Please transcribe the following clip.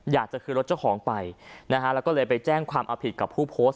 อยากจะคืนรถเจ้าของไปนะฮะแล้วก็เลยไปแจ้งความเอาผิดกับผู้โพสต์